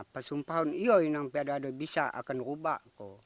pesumpah itu yang bisa berubah